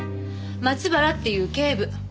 松原っていう警部。